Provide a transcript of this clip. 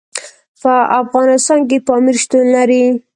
په افغانستان کې پامیر شتون لري.